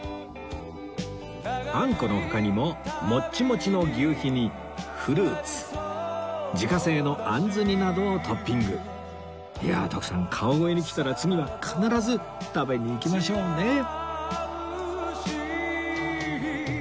あんこの他にももっちもちの求肥にフルーツ自家製のあんず煮などをトッピングいやあ徳さん川越に来たら次は必ず食べに行きましょうね